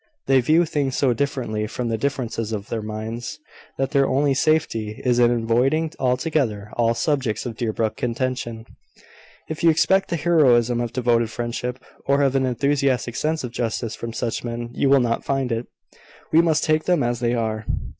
They view things so differently, from the differences of their minds, that their only safety is in avoiding altogether all subjects of Deerbrook contention. If you expect the heroism of devoted friendship, or of an enthusiastic sense of justice from such men, you will not find it. We must take them as they are."